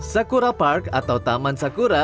sakura park atau taman sakura